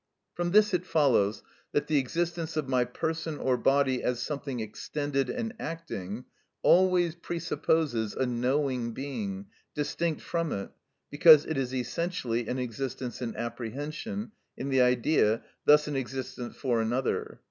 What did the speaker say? From this it follows that the existence of my person or body as something extended and acting always presupposes a knowing being distinct from it; because it is essentially an existence in apprehension, in the idea, thus an existence for another.